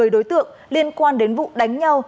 một mươi đối tượng liên quan đến vụ đánh nhau